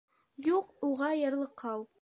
Юҡ уға ярлыҡау!